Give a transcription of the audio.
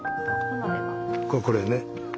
これね。